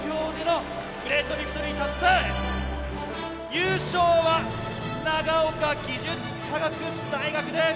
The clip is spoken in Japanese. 優勝は長岡技術科学大学です！